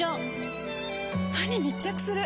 歯に密着する！